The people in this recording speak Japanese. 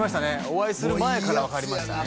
お会いする前から分かりましたね